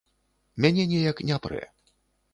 Мяне неяк не прэ.